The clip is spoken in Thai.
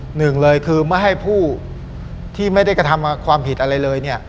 หนึ่งเลยคือไม่ให้ผู้ที่ไม่ได้กระทำความผิดอะไรเลยเนี่ย